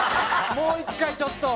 もう１回ちょっと。